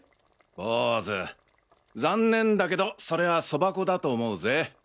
ボウズ残念だけどそれはそば粉だと思うぜ。